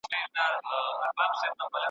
تاسي په ژوند کي د مرګ لپاره څه تیاری کړی؟